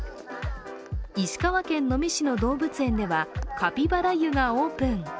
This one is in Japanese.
石川県能美市の動物園ではカピバラ湯がオープン。